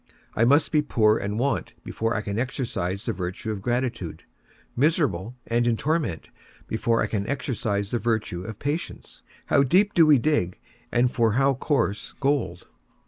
I must be poor and want before I can exercise the virtue of gratitude; miserable, and in torment, before I can exercise the virtue of patience. How deep do we dig, and for how coarse gold!